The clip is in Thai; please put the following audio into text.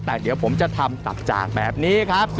แต่เดี๋ยวผมจะทำตักจากแบบนี้ครับ